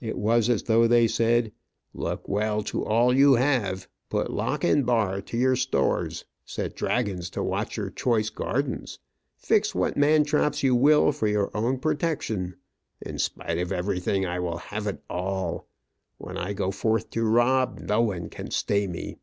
It was as though they said, "Look well to all you have; put lock and bar to your stores; set dragons to watch your choice gardens; fix what man traps you will for your own protection. In spite of everything, I will have it all! When I go forth to rob, no one can stay me!"